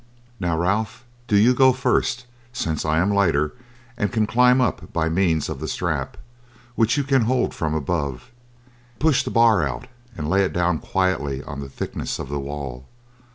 "Now, Ralph, do you go first, since I am lighter and can climb up by means of the strap, which you can hold from above; push the bar out and lay it down quietly on the thickness of the wall.